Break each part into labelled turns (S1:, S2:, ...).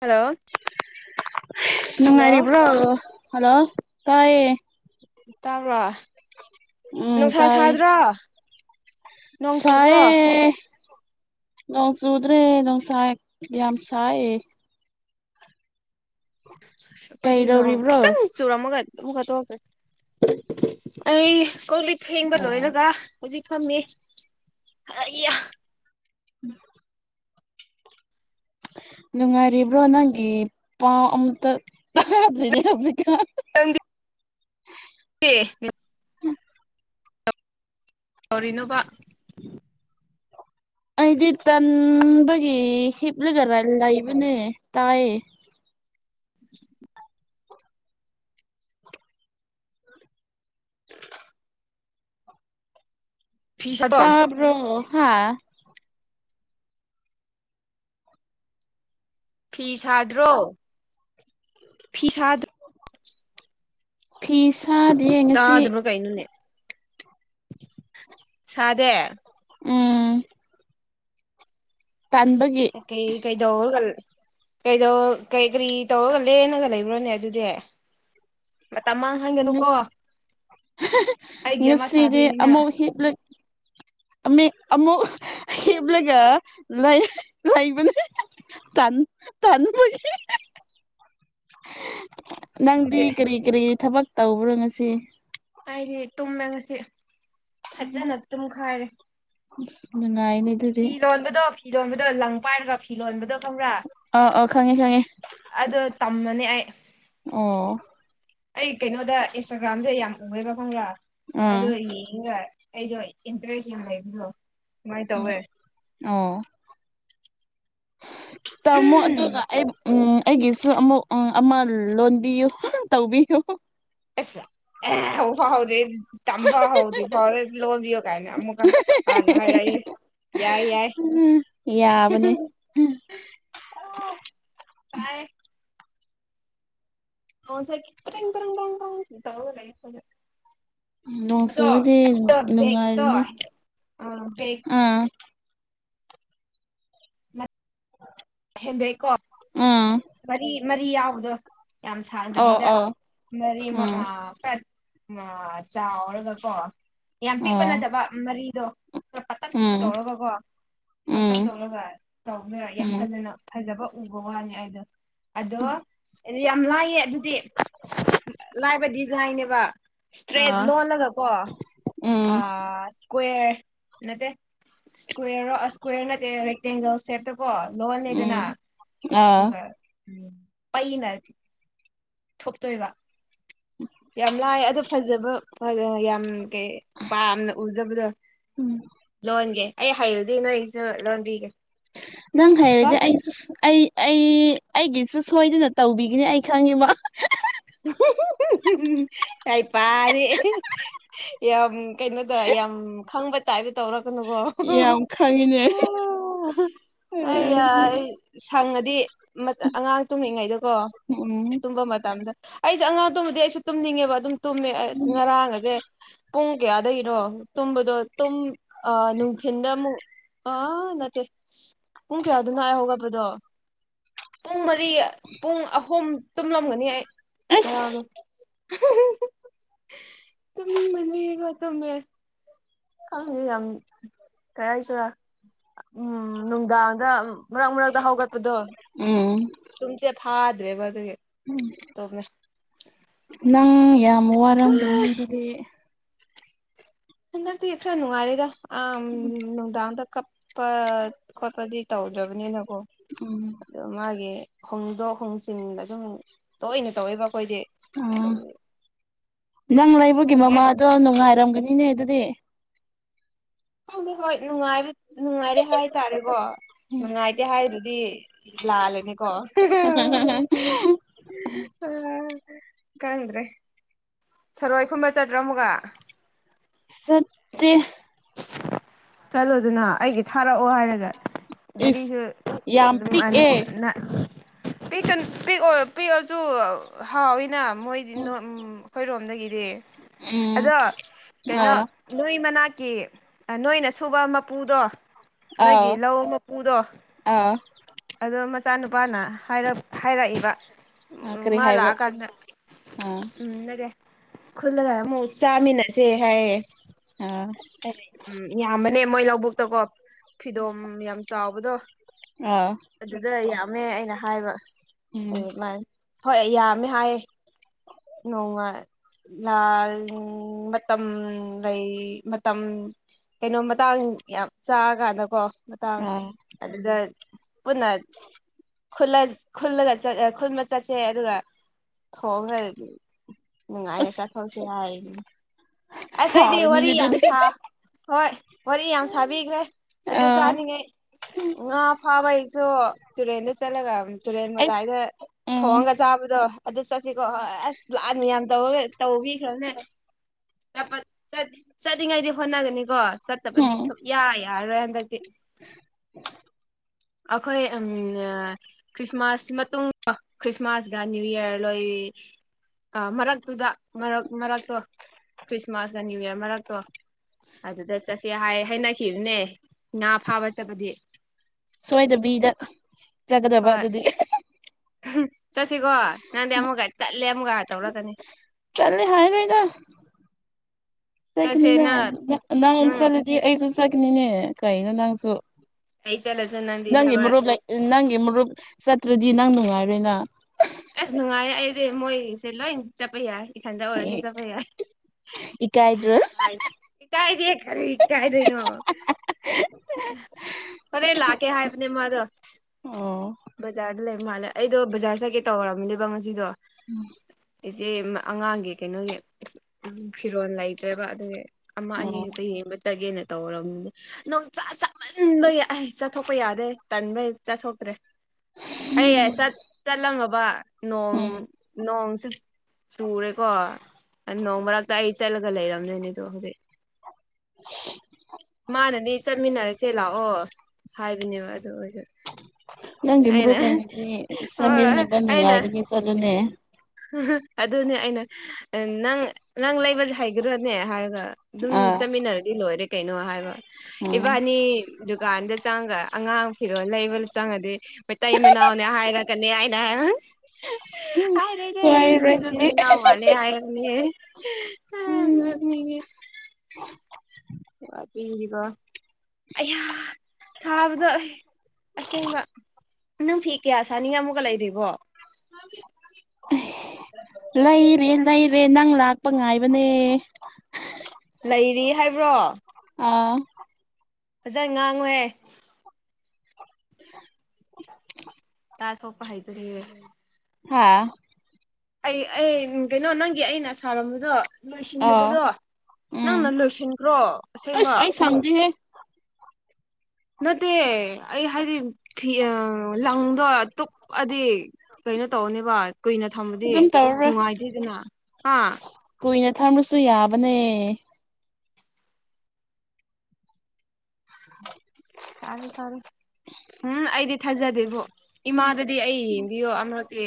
S1: Hello hello
S2: ꯅꯨꯡꯉꯥꯏꯔꯤꯕ꯭ꯔꯣ hello ꯇꯥꯏ
S1: ꯇꯥꯕ꯭ꯔꯣ
S2: ꯎꯝ
S1: ꯅꯨꯡꯁꯥ ꯁꯥꯗ꯭ꯔꯣ ꯅꯣꯡ ꯆꯨꯕ꯭ꯔꯣ
S2: ꯐꯑꯦ ꯅꯣꯡ ꯆꯨꯗ꯭ꯔꯦ ꯅꯨꯡꯁꯥ ꯌꯥꯝ ꯁꯥꯏ
S1: ꯄꯗꯤ ꯅꯣ
S2: ꯀꯩꯗꯧꯔꯤꯕ꯭ꯔꯣ
S1: ꯈꯤꯇꯪ ꯆꯨꯔꯝꯃꯒ ꯑꯃꯨꯛꯒ ꯇꯣꯛꯑꯒꯦ ꯑꯩ ꯀ ꯂꯤꯛ ꯐꯦꯡꯕ
S2: ꯑꯣ
S1: ꯂꯣꯏꯔꯒ ꯍꯧꯖꯤꯛ ꯐꯝꯃꯦ ꯑꯩ
S2: ꯎꯝ ꯅꯨꯡꯉꯥꯏꯔꯤꯕ꯭ꯔꯣ ꯅꯪꯒꯤ ꯄ ꯑꯃꯝꯇ ꯅꯦ ꯍꯥꯀꯥ
S1: ꯑꯦ ꯇꯧꯔꯤꯅꯣꯕ
S2: ꯑꯩꯗꯤ ꯇꯟꯕꯒꯤ ꯍꯤꯞꯂꯒ ꯂꯩꯕꯅꯦ ꯇꯌꯦ
S1: [inaudible]
S2: [inaudible]
S1: ꯐꯤ ꯁꯥꯗ꯭ꯔꯣ
S2: ꯇꯥꯕ꯭ꯔꯣ ꯍꯥ
S1: ꯐꯤ ꯁꯥꯗ꯭ꯔꯣ ꯐꯤ ꯁꯥꯗ꯭ꯔꯣ
S2: ꯐꯤ ꯁꯥꯗꯤꯌꯦ
S1: ꯇꯥ
S2: ꯉꯁꯤ
S1: ꯑꯗꯨꯃ ꯀꯩꯅꯣꯅꯦ ꯁꯥꯗꯦ
S2: ꯎꯝ ꯇꯟꯕꯒꯤ
S1: ꯀꯩ ꯀꯩꯗꯧꯔꯒ ꯀꯗ ꯀꯩ ꯀꯔꯤ ꯇꯧꯔꯒ ꯂꯦꯅꯒ ꯂꯩꯕ꯭ꯔꯣꯅꯦ ꯑꯗꯨꯗꯤ ꯇꯃꯥꯡ ꯍꯪꯒꯅꯨꯀꯣ
S2: ꯉꯁꯤꯗꯤ ꯑꯃꯛ ꯍꯦꯛꯂ ꯑꯃꯤꯠ ꯑꯃꯨꯛ ꯍꯦꯞꯂꯒ ꯂꯩ ꯂꯩꯕꯅꯦ ꯇꯟ ꯇꯟ ꯅꯪꯗꯤ
S1: ꯑꯗꯨꯗꯤ
S2: ꯀꯔꯤ ꯀꯔꯤ ꯊꯕꯛ ꯇꯧꯕ꯭ꯔꯣ ꯉꯁꯤ
S1: ꯍꯥꯏꯗꯤ ꯇꯨꯝꯃꯦ ꯉꯁꯤ ꯐꯖꯅ ꯇꯨꯝꯈꯥꯏꯔꯦ
S2: ꯥꯏꯅꯦ ꯑꯗꯨꯔꯤ
S1: ꯐꯤꯔꯣꯟꯕꯗꯣ ꯂꯪ ꯄꯥꯏꯔꯒ ꯐꯤꯔꯣꯟꯕꯗꯣ
S2: ꯑ ꯑ ꯈꯪꯉꯦ ꯈꯪꯉꯦ
S1: ꯇꯝꯃꯅꯤ ꯑꯩ
S2: ꯑꯣ
S1: ꯑꯩ ꯀꯩꯅꯣꯗ ꯏꯟꯁꯇꯥꯒ꯭ꯔꯥꯝꯗ ꯌꯥꯝ ꯎꯑꯦꯕ ꯈꯪꯕ꯭ꯔꯥ
S2: ꯑꯥ
S1: ꯑꯣ ꯌꯦꯡꯒ ꯑꯩꯗꯣ ꯏꯟꯇꯔꯦꯁ ꯌꯥꯝ ꯂꯩꯕꯗꯣ ꯀꯃꯥꯏꯅ ꯇꯧꯋꯦ
S2: ꯑꯣ ꯇꯃꯣ ꯑꯗꯨ ꯑꯗꯨꯒ ꯑꯩ ꯎꯝ ꯑꯩꯒꯤꯁꯨ ꯑꯃꯨꯛ ꯑꯃ ꯂꯣꯟꯕꯤꯌꯨ ꯇꯧꯕꯤꯌꯨ
S1: ꯑꯁ ꯍ ꯍꯥꯎꯗꯦ ꯇꯝꯕ ꯍꯧꯗ꯭ꯔꯤꯐꯧ ꯂꯣꯕꯤꯌꯣ ꯀꯥꯏꯅ ꯑꯃꯨꯛꯀ ꯍꯥꯏꯔꯛꯑꯦ ꯌꯥꯏ ꯌꯥꯏ
S2: ꯌꯥꯕꯅꯤ
S1: ꯆꯥꯏ ꯆꯔ ꯇ ꯂꯩ ꯑꯗꯣ
S2: ꯅꯣꯡ ꯆꯨꯔꯗꯤ
S1: ꯑ ꯦꯒ
S2: ꯅꯨꯡꯉꯥꯏꯔꯅꯤ
S1: ꯇ ꯑꯥ ꯍꯦꯟꯗꯩꯀꯣ
S2: ꯑꯥ
S1: ꯃꯔꯤ ꯃꯔꯤ ꯌꯥꯎꯕꯗꯣ ꯌꯥꯝ
S2: ꯑꯣ
S1: ꯁꯥꯡꯗꯕꯤꯗ
S2: ꯑꯣ
S1: ꯃꯔꯤ
S2: ꯎꯝ
S1: ꯑ ꯆꯥꯔ ꯆꯀꯣ ꯌꯥꯝ ꯄꯤꯛꯄ
S2: ꯑꯣ
S1: ꯅꯠꯇꯕ ꯃꯔꯤꯗꯣꯂ ꯄꯇꯛ
S2: ꯎꯝ
S1: ꯇꯧꯔꯒꯀꯣ
S2: ꯎꯝ
S1: ꯄꯠꯇꯪ ꯆꯂꯒ ꯇꯧꯉ
S2: ꯎꯝ
S1: ꯐꯖꯕ ꯎꯕ ꯋꯥꯅꯤ ꯑꯩꯗꯣ ꯑꯗꯣ ꯌꯥꯝ ꯂꯥꯏ ꯑꯦ ꯑꯗꯨꯗꯤ ꯂꯥꯏꯕꯗꯤ ꯌꯥꯥꯏꯅꯦꯕ ꯏꯁꯇ꯭ꯔꯦꯠ
S2: ꯑꯥ
S1: ꯂꯣꯜꯂꯒꯀꯣ
S2: ꯎꯝ
S1: ꯏꯁꯀ꯭ꯋꯦꯔ ꯅꯠꯇꯦ ꯏꯁꯀ꯭ꯋꯦꯔ ꯏꯁꯀ꯭ꯋꯦꯔ ꯅꯠꯇꯦ ꯔꯦꯛꯇꯦꯡꯒꯜ ꯁꯦꯞꯇ ꯀꯣ
S2: ꯎꯝ
S1: ꯂꯣꯟꯅꯦꯗꯅ
S2: ꯑꯥ
S1: ꯑꯗꯨꯒ ꯎ ꯄꯅ ꯊꯣꯛꯇꯣꯏꯕ ꯌꯥꯝ ꯂꯥꯏꯑ ꯑꯗꯨꯣ ꯐꯖꯕ ꯌꯥꯝ ꯀꯩ ꯄꯥꯝꯅ ꯎꯖꯕꯗꯣ
S2: ꯎꯝ
S1: ꯂꯣꯟꯒꯦ ꯑꯩ ꯍꯩꯔꯨꯗꯤ ꯅꯣꯏꯁꯨ ꯂꯣꯟꯕꯤꯒꯦ
S2: ꯅꯪ
S1: ꯀꯣ
S2: ꯍꯥꯏꯗꯦ ꯑꯩ ꯑꯩ ꯑꯩ ꯑꯩꯒꯤꯁꯨ ꯁꯣꯏꯗꯅ ꯇꯧꯕꯤꯒꯅꯤ ꯑꯩ ꯈꯪꯉꯤꯕ
S1: ꯍꯍꯍ ꯌꯥꯥꯏ ꯄꯔꯦ ꯌꯥꯝ ꯀꯩꯅꯣꯗ ꯌꯥꯝ ꯈꯪꯕ ꯇꯥꯏ ꯇꯧꯔ
S2: ꯌꯥꯝ ꯈꯪꯉꯤꯅꯦ
S1: ꯑꯩ ꯑꯩ ꯐꯪꯉꯗꯤ ꯑꯉꯥꯡ ꯇꯨꯝꯂꯤꯉꯩꯗꯀꯣ
S2: ꯎꯝ
S1: ꯇꯨꯝꯕ ꯃꯇꯝꯗ ꯑꯩꯁꯦ ꯑꯉꯥꯡ ꯇꯨꯝꯃꯗꯤ ꯑꯩꯁꯨ ꯇꯨꯝꯅꯤꯡꯉꯦꯕ ꯑꯗꯨꯝ ꯇꯨꯝꯃꯦ ꯑꯁ ꯉꯔꯥꯡ ꯑꯁꯦ ꯄꯨꯡ ꯀꯌꯥꯗꯒꯤꯅꯣ ꯇꯨꯝꯕꯗꯣ ꯇꯨꯝ ꯅꯨꯡꯊꯤꯤꯟꯗ ꯑꯃꯨꯛ ꯑꯥ ꯅꯠꯇꯦ ꯄꯨꯡ ꯀꯌꯥꯗꯨꯅꯥꯛ ꯍꯧꯒꯕꯗꯣ ꯀꯔꯤ ꯄꯨꯡ ꯑꯍꯨꯝ ꯇꯨꯝꯂꯝꯒꯅꯤ ꯑꯩ ꯉꯔꯥꯗꯣ
S2: ꯑꯁ
S1: ꯇ ꯅ ꯃꯅꯔꯦꯒ ꯇ ꯃ ꯈꯪꯉꯦ ꯌꯥꯝ ꯀꯔ ꯍꯥꯏꯁꯤꯔ ꯎꯝ ꯅꯨꯡꯗꯥꯡꯗ ꯃꯔꯛ ꯃꯔꯒꯗ ꯍꯒꯠꯇꯗ
S2: ꯎꯝ
S1: ꯇꯨꯝꯁꯦ ꯊꯥꯗ꯭ꯔꯦꯕ ꯑꯗꯨꯒꯤ ꯇꯧꯃꯦ
S2: ꯅꯪ ꯌꯥꯝ ꯋꯥꯔꯝꯒꯅꯤ ꯑꯗꯨꯗꯤ
S1: ꯑꯗꯗꯤ ꯑꯩꯈꯔ ꯅꯅꯨꯡꯉꯥꯔꯦꯗ ꯑ ꯅꯣꯡꯗꯥꯥꯡꯗ ꯀꯞꯄ ꯈꯣꯠꯄꯗꯤ ꯇꯧꯗ꯭ꯔꯕꯅꯤꯅ
S2: ꯎꯝ
S1: ꯍꯣꯡꯗꯣꯛ ꯍꯣꯡꯆꯤꯟ ꯑꯗꯨꯝ ꯇꯣꯏꯅ ꯇꯧꯋꯦꯕ ꯑꯩꯈꯣꯏꯗꯤ
S2: ꯑꯥ ꯅꯪ ꯂꯩꯕꯒꯤ
S1: ꯈꯪꯗꯦ
S2: ꯃꯃꯥꯗꯣ ꯅꯨꯡꯉꯥꯏꯔꯝꯒꯅꯤꯅꯦ ꯑꯗꯨꯗꯤ
S1: ꯈꯪꯗꯤ ꯍꯣꯏꯅꯨꯡꯉꯥꯏ ꯅꯨꯡꯉꯥꯏꯔꯦ ꯍꯥꯏꯇꯥꯔꯦꯀꯣ ꯅꯨꯡꯉꯥꯏꯇꯦ ꯍꯥꯏꯗꯨꯗꯤ ꯂ ꯂꯩꯦꯅꯤ ꯀꯣ ꯑ ꯈꯪꯗ꯭ꯔꯦ ꯊꯔꯣꯏ ꯈꯨꯝꯕ ꯆꯠꯇ꯭ꯔꯥ ꯑꯃꯨꯒ
S2: ꯁꯠꯇ
S1: ꯆꯂꯣ ꯑꯗꯨꯅ ꯍꯥꯏ ꯊꯥꯔꯛꯑꯣ ꯍꯥꯏꯔꯒ
S2: ꯏꯁ
S1: ꯒꯥꯔꯤꯁꯨ
S2: ꯌꯥꯝ ꯄꯤꯛꯑꯦ
S1: ꯑꯗꯨꯝ ꯄꯤꯛꯇ ꯄꯤ ꯄꯤꯛꯑꯁꯨ ꯍꯥꯎꯋꯤꯅ ꯃꯣꯏꯗꯤ ꯑꯩꯈꯣꯏꯔꯣꯝꯗꯒꯤ
S2: ꯎꯝ
S1: ꯑꯗꯣ ꯀꯩꯅꯣ
S2: ꯑꯥ
S1: ꯅꯣꯏ ꯃꯅꯥꯛꯀꯤ ꯅꯣꯏꯅ ꯁ ꯊꯨꯕ ꯃꯄꯨꯗꯣ
S2: ꯑꯥꯎ
S1: ꯅꯣꯏꯒꯤ ꯂꯧ ꯃꯄꯨꯗꯣ
S2: ꯑꯥ
S1: ꯑꯗꯣ ꯃꯆꯥꯅꯨꯄꯥꯅ ꯍꯥꯏꯔꯛꯏꯕ ꯎ
S2: ꯀꯔꯤ
S1: ꯃꯥ ꯂꯥ
S2: ꯍꯥꯏꯕ꯭ꯔꯥ
S1: ꯀ
S2: ꯑꯥ
S1: ꯎꯝꯅꯔꯦ ꯈꯨꯂꯒ ꯃꯨ ꯆꯃꯤꯅꯁꯦ ꯍꯥꯏꯌꯦ
S2: ꯑ
S1: ꯑꯦ ꯎ ꯌꯥꯝꯕꯅꯦ ꯃꯣꯏ ꯂꯧꯕꯨꯛꯇꯀꯣ ꯐꯤꯗꯣꯝ ꯌꯥꯝ ꯆꯥꯎꯕꯗꯣ
S2: ꯑꯥ
S1: ꯑꯗꯨꯗ ꯌꯥꯝꯃꯦ ꯑꯩꯅ ꯍꯥꯏꯕ
S2: ꯎꯝ
S1: ꯑꯗꯨꯃ ꯍꯣꯏ ꯌꯥꯝꯃꯦ ꯍꯥꯏꯌꯦ ꯅꯣꯡꯉꯥꯏ ꯂꯥꯜ ꯃꯇꯝ ꯂꯩ ꯃꯇꯝ ꯀꯩꯅꯣ ꯃꯇꯥꯡ ꯌꯥꯝ ꯆꯥꯔꯀꯥꯟꯗꯀꯣ ꯃꯇꯥꯡ
S2: ꯑꯥ
S1: ꯑꯗꯨꯗ ꯄꯨꯟꯅ ꯈꯜꯂꯒ ꯈꯨꯟꯕ ꯆꯠꯁꯦ ꯑꯗꯨꯒ ꯊꯣꯡꯈ꯭ꯔꯦ ꯅꯨꯡꯉꯥꯏꯅ
S2: ꯑꯁ
S1: ꯆꯠꯊꯣꯛꯁꯤ ꯍꯥꯏꯅꯤ ꯑꯁ ꯑꯩꯗꯤ ꯋꯥꯔꯤ
S2: ꯍꯥꯎꯔꯅꯤꯅꯦ
S1: ꯌꯥꯝ
S2: ꯑꯗꯨꯗꯤ
S1: ꯁꯥ ꯍꯣꯏ ꯋꯥꯔꯤ ꯌꯥꯝ ꯁꯥꯕꯤꯈ꯭ꯔꯦ ꯑꯗꯨ
S2: ꯑꯥ
S1: ꯆꯥꯅꯤꯡꯉꯩ ꯉꯥ ꯐꯥꯕꯩ ꯇꯨꯔ ꯇꯨꯔꯦꯟꯗ ꯆꯠꯂꯒ ꯇꯨꯔꯦꯟ
S2: ꯑꯩ
S1: ꯃꯇꯥꯏꯗ
S2: ꯎꯝ
S1: ꯊꯣꯡꯉꯒ ꯆꯥꯕꯗꯣ ꯑꯗꯨ ꯆꯠꯁꯤꯀꯣ ꯍꯣꯏ ꯑꯁ ꯂꯥꯅ ꯌꯥꯝ ꯇꯧꯕꯤꯈ꯭ꯔꯅꯦꯄ ꯆꯠꯂꯤꯉꯩꯗꯤ ꯍꯣꯠꯅꯒꯅꯤꯀꯣ ꯆꯠꯇꯕꯗꯤ
S2: ꯍꯝ
S1: ꯁꯨꯛꯌꯥ ꯌꯥꯔꯔꯣꯏ ꯍꯟꯗꯛꯇꯤ
S2: [inaudible]
S1: ꯑꯩꯈꯣꯏ ꯎꯝ ꯈ꯭ꯔꯤꯁꯃꯥꯁ ꯃꯇꯨꯡ ꯈ꯭ꯔꯤꯁꯃꯥꯁꯒ ꯅꯅꯤꯌꯨ ꯌꯌꯥꯔ ꯂꯣꯏ ꯑ ꯃꯔꯛꯇꯨꯗ ꯃꯔꯛ ꯃꯔꯛꯇꯣ ꯈ꯭ꯔꯤꯁꯃꯥꯁꯅ ꯅꯅꯤꯌꯨ ꯌꯔ ꯃꯔꯛꯇꯣ ꯑꯗꯨꯗ ꯆꯠꯁꯦ ꯍꯥꯏ ꯍꯥꯏꯩꯅꯈꯤꯕꯅꯦ ꯉꯥ ꯐꯥꯕ ꯆꯠꯄꯗꯤ
S2: ꯁꯋꯥꯏꯗꯕꯤꯗ ꯆꯠꯒꯗꯕ
S1: ꯍꯣꯏ
S2: ꯑꯗꯨꯗꯤ
S1: ꯆꯠꯁꯤꯀꯣ ꯅꯪꯗꯤ ꯑꯃꯨꯛꯀ ꯇꯠꯂꯦ ꯑꯃꯨꯛꯀ ꯇꯧꯔꯛꯀꯅꯤ
S2: ꯆꯠꯅꯤ ꯍꯥꯏ ꯅꯣꯏꯗ
S1: ꯆꯠꯁꯦ
S2: ꯆꯠꯈꯤꯅꯤꯅ
S1: ꯅꯪ
S2: ꯅꯪ ꯆꯠꯂꯗꯤ ꯑꯩꯁꯨ ꯆꯈꯤꯅꯤꯅꯦ ꯀꯩꯅꯣ ꯅꯪꯁꯨ
S1: ꯑꯩ ꯆꯠꯂꯁꯨ ꯅꯪꯗꯤ
S2: ꯅꯪꯒꯤ
S1: ꯊꯕꯛ
S2: ꯃꯔꯨꯞ ꯅꯪꯒꯤ ꯃꯔꯨꯞ ꯆꯠꯇ꯭ꯔꯗꯤ ꯅꯪ ꯅꯨꯡꯉꯥꯏꯔꯣꯏꯅ
S1: ꯑꯁ ꯅꯨꯡꯉꯥꯏ ꯑꯩꯗꯤ ꯃꯣꯏꯁꯦ ꯂꯣꯏ ꯆꯠꯄ ꯌꯥꯏ ꯏꯊꯟꯗ ꯑꯣꯏꯔꯁꯨ ꯆꯠꯄ ꯌꯥꯏ
S2: ꯏꯀꯥꯏꯗ꯭ꯔꯣ
S1: ꯀ ꯀꯥꯏꯗꯦ ꯀꯔꯤꯒꯤ ꯏꯀꯥꯏꯗꯣꯏꯅꯣ ꯐꯔ ꯂꯥꯛꯀꯦ ꯍꯥꯏꯕꯅꯦ ꯃꯗꯣ
S2: ꯑꯣ
S1: ꯕꯖꯥꯔꯗ ꯂꯩ ꯃꯥꯜꯂꯦ ꯑꯩꯗꯣ ꯕꯖꯥꯔ ꯆꯠꯀꯦ ꯇꯧꯔꯝꯅꯦꯕ ꯉꯁꯤꯗꯣ
S2: ꯎꯝ
S1: ꯑꯩꯆꯦ ꯑꯉꯥꯡꯒꯤ ꯀꯩꯅꯣꯒꯤ ꯐꯤꯔꯣꯜ ꯂꯩꯇ꯭ꯔꯦꯕ ꯑꯗꯨꯒꯤ ꯑꯃ ꯑꯅꯤ
S2: ꯑꯣ
S1: ꯀ ꯌꯦꯡꯕ ꯆꯒꯦꯅ ꯇꯧꯔꯝ ꯅ ꯆꯃꯟꯕ ꯑꯩ ꯆꯠꯊꯣꯛꯄ ꯌꯥꯗꯦ ꯇꯟꯕ ꯆꯠꯊꯣꯛꯇ꯭ꯔꯦ ꯑꯩ ꯆꯠꯂꯝꯃꯕ ꯅꯣꯡ
S2: ꯎꯝ
S1: ꯅꯣꯡ ꯆꯨꯔꯦꯀꯣ ꯅꯣꯡ ꯃꯔꯛꯇ ꯑꯩ ꯆꯠꯂꯒ ꯂꯩꯔꯝꯗꯣꯏꯅꯦꯗꯣ ꯍꯧꯖꯤꯛ ꯃꯥ ꯅꯗꯤ ꯆꯠꯃꯤꯟꯅꯔꯁꯦ ꯂꯥꯛꯑꯣ ꯍꯥꯏꯕꯅꯦꯕ ꯑꯗꯨ ꯑꯣꯏꯁ
S2: ꯅꯪꯒꯤ
S1: ꯑꯩꯅꯥ
S2: ꯃꯔꯨꯞ ꯂꯩꯔꯗꯤ
S1: ꯍꯣꯏ
S2: ꯆꯠꯃꯤꯟꯅꯕ
S1: ꯑꯩꯅꯥ
S2: ꯅꯨꯡꯉꯥꯏꯒꯅꯤ ꯆꯠꯂꯨꯅꯦ
S1: ꯑꯗꯨꯅꯦ ꯑꯩꯅ ꯅꯪ ꯅꯪ ꯂꯩꯕꯁ ꯍꯩꯒꯗ꯭ꯔꯣꯅꯦ ꯍꯥꯏꯕ ꯑꯗꯨꯝ
S2: ꯑꯥ
S1: ꯆꯠꯃꯤꯟꯅꯔꯗꯤ ꯂꯣꯏꯔꯦ ꯀꯩꯅꯣ ꯍꯥꯏꯕ
S2: ꯎꯝ
S1: ꯏꯕꯥꯅꯤ ꯗꯨꯀꯥꯟꯗ ꯆꯪꯉꯒ ꯑꯉꯥꯡ ꯐꯤꯔꯣꯜ ꯂꯩꯕ ꯆꯪꯉꯗꯤ ꯃꯇꯩ ꯃꯅꯥꯎ ꯅꯦ ꯍꯩꯔꯒꯥ ꯅ ꯍꯥꯏꯥꯏ ꯂꯩꯗꯦ
S2: ꯁꯣꯏꯔꯣꯏ ꯑꯗꯨꯗꯤ
S1: ꯆꯤꯟꯃꯅꯥꯑꯣ ꯃꯥꯜꯂꯦ ꯍꯥꯏꯕꯅꯦ
S2: ꯎꯝ
S1: ꯀꯣ ꯑꯩ ꯊꯥꯕꯗ ꯑꯩ ꯑꯁꯦꯡꯕ ꯅꯨꯡꯊꯤ ꯀꯌꯥ ꯁꯥꯅꯤꯡ ꯑꯃꯒ ꯂꯩꯔꯤꯕꯣ
S2: ꯂꯏꯔꯤ ꯂꯏꯔꯤ ꯅꯪ ꯂꯛ ꯄꯉꯥꯏꯕꯅꯦ
S1: ꯂꯩꯔꯤ ꯍꯥꯏꯕ꯭ꯔꯣ
S2: ꯑꯥ
S1: ꯐꯖꯅ ꯉꯥꯡꯉꯨꯍꯦ
S2: [inaudible]
S1: ꯇꯥꯁ ꯊꫭꯛꯄ ꯍꯩꯇꯔꯤ꯫
S2: ꯍꯥꯥ꯫
S1: ꯑꯩ ꯑꯩ ꯀꯩꯅꯣ ꯅꯪꯒꯤ ꯑꯩꯅ ꯁꯥꯔꯝꯕꯗꯣ꯫
S2: ꯑꯣ
S1: ꯂꯣꯏꯁꯤꯟꯗꯕꯗꯣ
S2: ꯎꯝ
S1: ꯅꯪꯅ ꯂꯣꯏꯁꯤꯟꯈ꯭ꯔꯣ
S2: ꯑꯁ
S1: ꯑꯁꯦꯡꯕ꯫
S2: ꯑꯩ ꯁꯪꯗꯦꯍꯦ
S1: ꯅꯠꯇꯦ ꯑꯩ ꯍꯥꯏꯗꯤꯐꯤ ꯑ ꯂꯪꯗꯣ ꯇꯨꯞꯑꯗꯤ ꯀꯩꯅꯣ ꯇꯧꯅꯤꯕ ꯀꯨꯏꯅ ꯊꯝꯕꯗꯤ
S2: ꯑꯗꯨꯝ ꯇꯧꯔꯔꯣꯏ
S1: ꯅꯨꯡꯉꯥꯏꯇꯦꯗꯅ ꯍꯥ꯫
S2: ꯊꯝꯔꯁꯨ ꯌꯥꯕꯅꯦ꯫
S1: [unintelligible] ꯁꯥꯔꯦ-ꯁꯥꯔꯦ ꯎꯝ ꯑꯩꯗꯤ ꯊꯥꯖꯗꯦꯕꯣ ꯏꯃꯥꯗꯗꯤ ꯑꯩ ꯕꯤꯑꯣ ꯑꯃꯔꯛꯗꯤ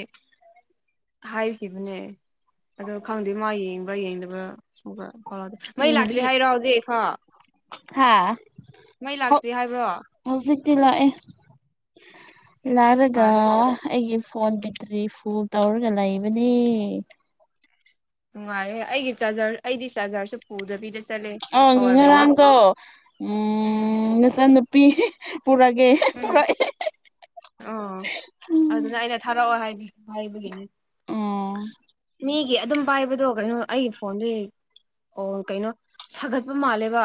S1: ꯍꯥꯏꯈꯤꯕꯅꯦ ꯑꯗꯣ ꯈꯪꯗꯦ ꯃꯥ ꯌꯦꯡꯕ꯭ꯔꯥ ꯌꯦꯡꯗꯕ꯭ꯔꯥ ꯑꯗꯨꯒ ꯍꯣꯏ ꯑꯗꯨ ꯃꯩ ꯂꯥꯛꯇ꯭ꯔꯦ
S2: ꯌꯦꯡꯕꯤ
S1: ꯍꯥꯏꯔꯣ ꯍꯧꯖꯤꯛ ꯍꯥ꯫
S2: ꯍꯥ ꯍꯧ
S1: ꯍꯥꯏꯕ꯭ꯔꯣ
S2: ꯍꯧꯖꯤꯛꯇꯤ ꯂꯥꯛꯑꯦ꯫ ꯂꯥꯔꯒ
S1: ꯐꯔꯦ
S2: ꯑꯩꯒꯤ ꯐꯣꯟ ꯄꯦꯇꯔꯤ ꯐꯨꯜ ꯇꯧꯔꯒ ꯂꯩꯕꯅꯦ꯫
S1: ꯅꯨꯡꯉꯥꯏꯔꯦ ꯑꯩꯒꯤ ꯆꯥꯔꯖꯔ ꯑꯩꯗꯤ ꯆꯥꯔꯖꯔꯁꯨ ꯄꯨꯗꯕꯤꯗꯁ
S2: ꯑ ꯉꯔꯥꯡꯗꯣ ꯎꯝ ꯅꯆꯟꯅꯨꯨꯄꯤ ꯄꯨꯔꯥꯒꯦ ꯍꫭꯏ꯫
S1: ꯑꯣ ꯑꯗꯨꯅ ꯑꯩꯅ ꯊꯥꯔꯛꯑꯣ ꯍꯥꯏꯕꯤ ꯍꯥꯥꯏꯕꯒꯤꯅꯤ꯫
S2: ꯑꫭ꯫
S1: ꯃꯤꯒꯤ ꯑꯗꯨꯝ ꯄꯥꯏꯕꯗꯣ ꯀꯩꯅꯣ ꯑꯩꯒꯤ ꯐꯣꯟꯗꯨ ꯑꯣ ꯀꯩꯅꯣ ꯁꯥꯒꯠꯄ ꯃꯥꯜꯂꯦꯕ꯫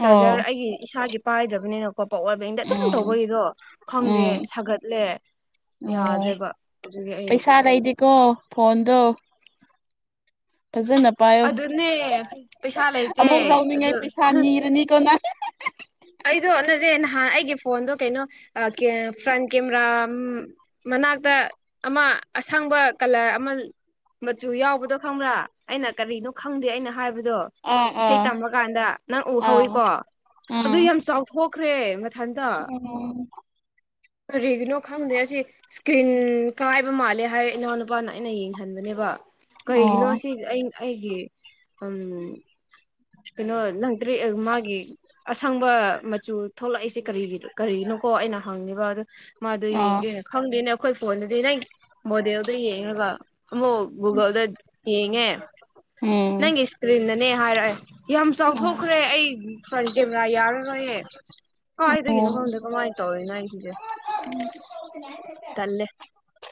S1: ꯆꯥꯔꯖꯔ ꯑꯩꯒꯤ ꯏꯁꯥꯒꯤ ꯄꯥꯏꯗ꯭ꯔꯕꯅꯤꯅꯀꯣ ꯄꯋꯥꯔ ꯕꯦꯡꯗ ꯑꯗꯨꯝ
S2: ꯎꯝ
S1: ꯇꯧꯕꯒꯤꯗꯣ ꯈꯪꯗꯦ꯫
S2: ꯎꯝ
S1: ꯁꯥꯒꯠꯂꯦ
S2: ꯑꯣ
S1: ꯌꯥꯗ꯭ꯔꯦꯕ ꯑꯗꯨꯒꯤ ꯑꯩ
S2: ꯐꯣꯟꯗꫭ ꯐꯖꯅ ꯄꯥꯏꯌꯣ
S1: ꯑꯗꯨꯅꯦ ꯄꯩꯁꯥ ꯂꯩꯇꯦ
S2: ꯑꯃꯨꯛ ꯂꯧꯅꯤꯡꯉꯩ
S1: ꯑꯗꯨ
S2: ꯄꯩꯁꯥ ꯅꯤꯔꯅꯤꯀꯣ ꯅꯪ꯫
S1: ꯑꯩꯗꯣ ꯅꯅꯦ ꯅꯍꯥꯟ ꯑꯩꯒꯤ ꯐꯣꯟꯗꯣ ꯀꯩꯅꯣ ꯀꯦ ꯑ ꯐ꯭ꯔꯟ ꯀꯦꯃꯦꯔꯥ ꯎꯝ ꯃꯅꯥꯛꯇ ꯑꯃ ꯑꯁꯪꯕ ꯀꯂꯔ ꯑꯃ ꯃꯆꯨ ꯌꯥꯎꯕꯗꯣ ꯈꯪꯕ꯭ꯔꯥ ꯑꯩꯅ ꯀꯔꯤꯅꯣ ꯈꯪꯗꯦ ꯑꯩꯅ ꯍꯥꯏꯕ ꯗꯣ
S2: ꯑꯥ
S1: ꯏꯁꯩ
S2: ꯑꯥ
S1: ꯇꯃꯕ ꯀꯥꯟꯗ ꯅꯪ
S2: ꯑꯥ
S1: ꯎꯍꯧꯋꯤꯀꯣ꯫ ꯑꯗꯨ
S2: ꯎꯝ
S1: ꯌꯥꯝ ꯆꯥꯎꯊꯣꯛꯈ꯭ꯔꯦ ꯃꯊꯟꯇ꯫ ꯀꯔꯤꯒꯤꯅꯣ ꯈꯪꯗꯦ ꯑꯁꯤ ꯁꯀ꯭ꯔꯤꯟ ꯀꯥꯏꯕ ꯃꯥꯜꯂꯦ ꯍꯥꯏ ꯏꯅꯥꯎꯅꯨꯄꯥꯅ ꯑꯩꯅ ꯌꯦꯡ ꯍꯟꯕꯅꯦꯕ
S2: ꯑꯣ
S1: ꯀꯔꯤꯒꯤꯅꯣ ꯁ ꯑꯩꯤ ꯑꯩꯒꯤ ꯎꯝ ꯀꯩꯅꯣ ꯂꯪꯗ꯭ꯔꯤ ꯃꯥꯒꯤ ꯑꯁꯪꯕ ꯃꯆꯨ ꯊꯣꯛꯂꯛꯏꯁꯦ ꯀꯔꯤꯒꯤ ꯀꯔꯤꯒꯤ ꯅꫭꯀꯣ ꯑꯩꯅ ꯍꯪꯅꯤꯕ ꯑꯗꯨ ꯃꯥꯗꯨ
S2: ꯑꯣ
S1: ꯌꯦꯡꯒꯦꯅ ꯈꯪꯗꯦꯅꯦ ꯑꯩꯈꯣꯏ ꯐꯣꯟꯗꯗꯤ ꯅꯪ ꯃꯣꯗꯦꯜꯗ ꯌꯦꯡꯔꯒ ꯑꯃꯨꯛ ꯒꯨꯒꯜꯗ ꯌꯦꯡꯑꯦ꯫
S2: ꯎꯝ
S1: ꯅꯪꯒꯤ ꯁꯀ꯭ꯔꯤꯟꯅꯅꯦ ꯍꯥꯏꯔꯛꯑꯦ ꯌꯥꯝ
S2: ꯎꯝ
S1: ꯆꯥꯎꯊꯣꯛꯈ꯭ꯔꯦ ꯑꯩ ꯐꯔꯟ ꯀꯥꯏꯗꯒꯤꯅꯣ ꯈꯪꯗꯦ ꯀꯃꯥꯏꯅ
S2: [unintelligible]
S1: ꯇꯧꯔꯤꯅꯣ ꯑꯩꯁꯤꯁꯦ
S2: [unintelligible]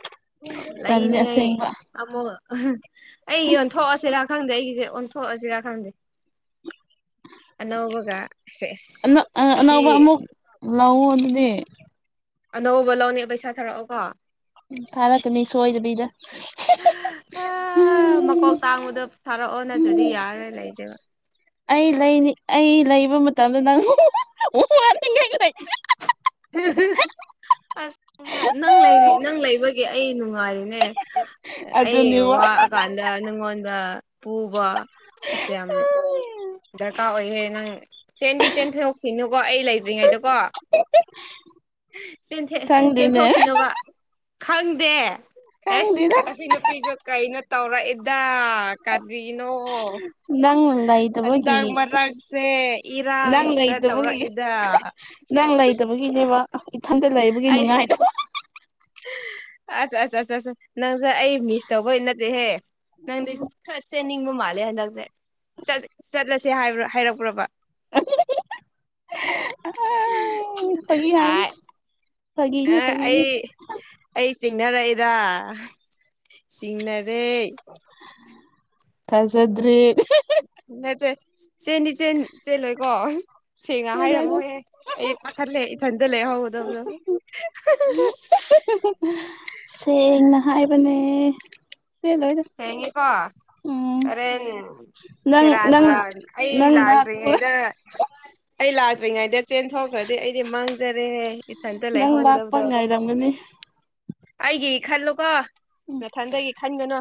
S2: ꯇꯜꯂꯦ
S1: ꯂꯩꯅꯤꯉꯥꯏ
S2: ꯑꯁꯦꯡꯕ
S1: ꯑꯃꯨꯛ ꯑꯩ ꯌꯣꯟꯊꯣꯛꯑꯁꯤꯔ ꯈꯪꯗꯦ꯫ ꯑꯩꯒꯤꯁꯦ ꯑꯣꯟꯊꯣꯛꯑꯁꯤꯔꯥ ꯈꯪꯗꯦ꯫ ꯑꯅꯧꯕꯒ ꯁꯦꯁ ꯑꯁꯤ
S2: ꯂꯧꯑꫭ ꯑꯗꯨꯗꯤ꯫
S1: ꯑꯅꯧꯕ ꯂꯧꯅꯦ ꯄꯩꯁꯥ ꯊꯥꯔꯛꯑꯣ ꯀꯣ꯫
S2: ꯎꯝ ꯐꯥꯔꯛꯅꯤ ꯁꯣꯏꯗꯕꯤꯗ꯫
S1: ꯑꯥ ꯃꯀꯣꯛ
S2: ꯎꯝ,
S1: ꯇꯥꯡꯕꯗꫭ ꯊꯥꯔꯛꯑꯣ ꯅꯠꯇ꯭ꯔꯗꯤ
S2: ꯎꯝ.
S1: ꯌꯥꯔꯣꯏ ꯂꯩꯗꯦꯕ꯫
S2: ꯑꯩ ꯂꯩꯅꯤ ꯑꯩ ꯂꯩꯕ ꯃꯇꯝꯗ ꯅꯪ ꯋꯥꯅꯤꯡꯉꯩꯒꯤ꯫
S1: [unintelligible] ꯑꯁ ꯅꯪ ꯂꯩꯔꯤ ꯅꯪ ꯂꯩꯕꯒꯤ ꯑꯩ ꯅꯨꯡꯉꯥꯏꯔꯤꯅꯦ꯫ ꯑꯩ
S2: ꯑꯗꯨꯅꯦꯕ
S1: ꯋꯥꯑꯀꯥꯟꯗ ꯅꯉꯣꯟꯗ ꯄꯨꯕ ꯑꯁ ꯌꯥꯝ ꯗꯔꯀꯥꯔ ꯑꯣꯏꯍꯦ ꯅꯪ ꯆꯦꯟꯗꯤ ꯆꯦꯟ ꯊꯣꯛꯈꯤꯅꯨꯀꯣ ꯑꯩ ꯂꯩꯇ꯭ꯔꯤꯉꯩꯗꯀꯣ
S2: ꯈꯪꯗꯦꯅꯦ
S1: ꯆꯦꯟꯊꯣꯛꯈꯤꯅꯣꯕ ꯈꯪꯗꯦ ꯑꯦꯁ
S2: ꯈꯪꯗꯦꯗ
S1: ꯑꯁꯤ ꯅꯨꯄꯤꯁꯨ ꯀꯩꯅꯣ ꯇꯧꯔꯛꯏꯦꯗꯥ ꯀꯔꯤꯅꯣ
S2: ꯅꯪ ꯂꯩꯇꯕꯒꯤ
S1: ꯑꯗꯒ
S2: ꯑꯁ
S1: ꯃꯔꯒꯁꯦ ꯏꯔ
S2: ꯅꯪ
S1: ꯇꯧ꯭ꯔ
S2: ꯂꯩꯇꯕꯒꯤ
S1: ꯏ
S2: ꯅꯪ ꯂꯩꯇꯕꯒꯤꯅꯦꯕ ꯏꯊꯟꯇ ꯂꯩꯕꯒꯤ ꯅꯨꯡꯉꯥꯏꯗꯕ
S1: ꯑ ꯑ ꯑ ꯑ ꯅꯪꯁꯦ ꯑꯩ ꯃꯤꯁ ꯇꯧꯕꯩ ꯅꯠꯇꯦꯍꯦ ꯅꯪꯗꯤ ꯈꯔ ꯆꯦꯟꯅꯤꯡꯕ ꯃꯥꯜꯂꯦ ꯍꯟꯗꯛꯁꯦ ꯆꯠꯂꯁꯦ ꯍꯥꯏꯕ ꯍꯥꯏꯔꯛꯄ꯭ꯔꯣꯕ
S2: ꯑꯥ, ꯐꯥꯒꯤ ꯍꯥꯏꯕꯅꯤ
S1: ꯑ
S2: ꯐꯥꯒꯤꯅꯦ
S1: ꯑ
S2: ꯐꯥꯒꯤꯅꯦ
S1: ꯑꯩ ꯑꯩ ꯆꯤꯡꯅꯔꯛꯏꯔ ꯆꯤꯡꯅꯔꯦ
S2: ꯊꯖꯗ꯭ꯔꯤ
S1: ꯅꯠꯇ ꯆꯦꯅꯤ ꯆꯦꯟ ꯆꯦꯜꯣꯏ ꯀꯣ ꯁꯦꯡꯅ
S2: ꯆꯦꯜꯂꯣꯏꯗ
S1: ꯍꯥꯏꯔꯝꯃꯣꯏꯍꯦ ꯑꯩ ꯄꯥꯈꯠꯂꯦ ꯏꯊꯟꯗ ꯂꯩꯦ ꯍꯧꯒꯗꯕꯗ
S2: ꯁꯦꯡꯅ ꯍꯥꯏꯕꯅꯦ ꯆꯦꯜꯂꯣꯏꯗ
S1: ꯁꯉꯄꯥ
S2: ꯎꯝ
S1: ꯍꯔꯦꯟꯦꯟ
S2: ꯅꯪ ꯅꯪ
S1: ꯁꯔꯗꯔ ꯑꯩ
S2: ꯅꯪ
S1: ꯂꯜꯔꯤꯉ
S2: ꯂꯥꯛꯄ
S1: ꯏ ꯏꯂ ꯑꯗꯨꯃꯤ ꯉꯥꯏꯗꯦ ꯆꯦꯟꯊꯣꯛꯈ꯭ꯔꯗꯤ ꯑꯩꯗꯤ ꯃꯥꯡꯖꯔꯦ ꯏꯊꯟꯇ
S2: ꯅꯪ ꯂꯥꯛꯄ
S1: ꯂꯩꯍꯧꯗꯕꯗꯣ
S2: ꯉꯥꯏꯔꯝꯒꯅꯤ
S1: ꯑꯩꯒꯤ ꯈꯜꯂꯨꯀꯣ ꯃꯊꯪꯗꯒꯤ ꯈꯟꯒꯅꯨ